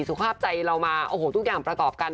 สุขภาพใจเรามาทุกอย่างประตอบกัน